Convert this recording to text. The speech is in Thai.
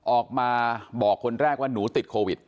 ออกมาบอกคนแรกว่าหนูติดโควิด